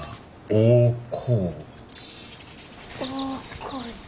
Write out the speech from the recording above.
大河内。